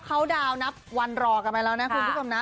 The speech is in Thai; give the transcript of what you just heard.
เขาเดานับวันรอกับเรานะคุณผู้ชมนะ